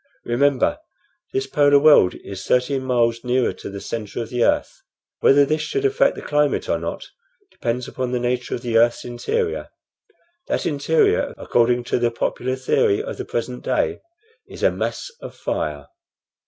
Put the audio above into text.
Remember, this polar world is thirteen miles nearer to the centre of the earth. Whether this should affect the climate or not, depends upon the nature of the earth's interior. That interior, according to the popular theory of the present day is a mass of fire.